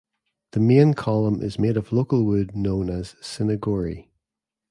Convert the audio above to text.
The main column is made of local wood known as "cinna gori".